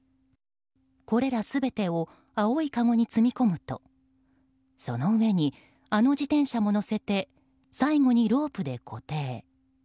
これら全てを青いかごに積み込むとその上に、あの自転車も載せて最後にロープで固定。